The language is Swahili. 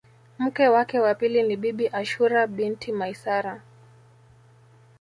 Mke wake wa pili ni Bibi Ashura binti Maisara